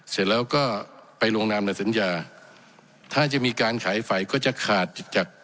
เสร็จแล้วก็ไปลงนามในสัญญาถ้าจะมีการขายไฟก็จะขาดจาก